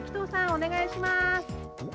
お願いします。